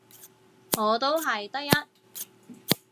我都係得一